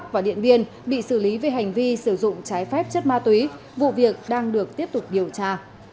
vụ việc đang được tiếp tục điều tra